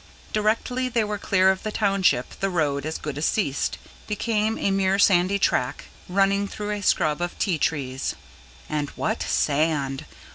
Directly they were clear of the township the road as good as ceased, became a mere sandy track, running through a scrub of ti trees. And what sand!